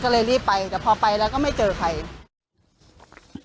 ก็เลยรีบไปแต่พอไปแล้วก็ไม่เจอใคร